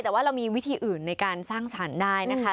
แต่ว่าเรามีวิธีอื่นในการสร้างสรรค์ได้นะคะ